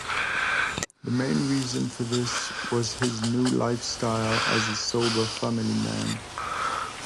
The main reason for this was his new lifestyle as a sober family man.